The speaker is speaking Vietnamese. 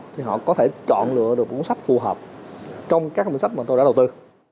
thì họ có thể chọn lựa được cuốn sách phù hợp trong các ngân sách mà tôi đã đầu tư